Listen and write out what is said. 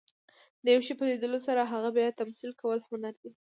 د یو شي په لیدلو سره هغه بیا تمثیل کول، هنر دئ.